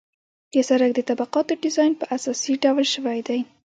د سرک د طبقاتو ډیزاین په اساسي ډول شوی دی